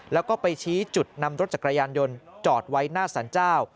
แล้วก็ไปชี้จุดนำรถจักรยานยนต์จอดไว้หน้าสรรเจ้า